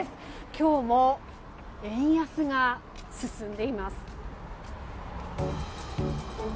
今日も、円安が進んでいます。